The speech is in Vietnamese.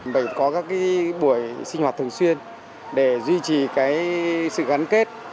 mình có các buổi sinh hoạt thường xuyên để duy trì sự gắn kết